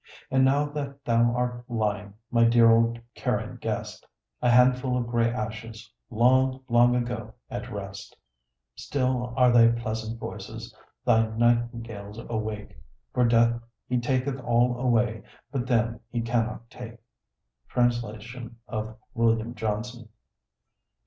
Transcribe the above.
And now that thou art lying, my dear old Carian guest, A handful of gray ashes, long, long ago at rest, Still are thy pleasant voices, thy nightingales, awake; For Death he taketh all away, but them he cannot take. Translation of William Johnson.